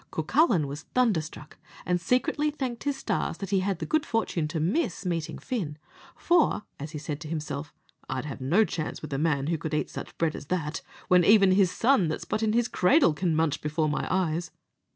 Cucullin was thunderstruck, and secretly thanked his stars that he had the good fortune to miss meeting Fin, for, as he said to himself, I'd have no chance with a man who could eat such bread as that, which even his son that's but in his cradle can munch before my eyes.